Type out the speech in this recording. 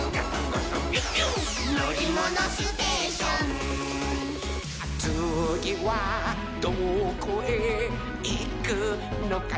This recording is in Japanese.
「のりものステーション」「つぎはどこへいくのかなほら」